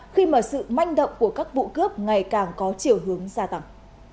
khi mà sự manh động của các vụ cướp ngày càng có chiều hướng gia tăng